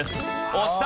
押した！